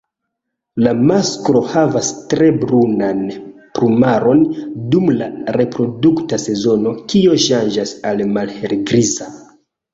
La masklo havas tre brunan plumaron dum la reprodukta sezono, kio ŝanĝas al malhelgriza.